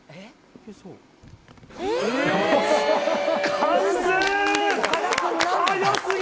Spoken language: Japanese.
完成！